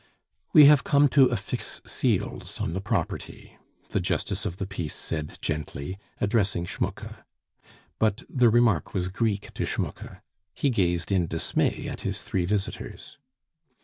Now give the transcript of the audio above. "We have come to affix seals on the property," the justice of the peace said gently, addressing Schmucke. But the remark was Greek to Schmucke; he gazed in dismay at his three visitors.